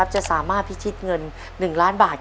จะสามารถพิชิตเงิน๑ล้านบาท